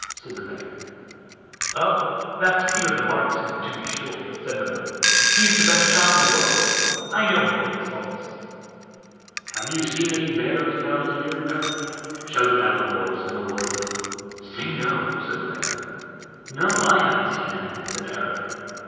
said the Bear. "Oh! that's Peter the Marksman, to be sure", said the than; "he's the best shot in the world. I know him by his voice." "Have you seen any bears about here, Eric?" shouted out a voice in the wood. "Say, no!" said the Bear. "No, I haven't seen any", said Eric.